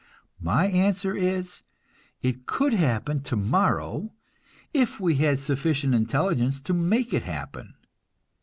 My answer is, it could happen tomorrow if we had sufficient intelligence to make it happen.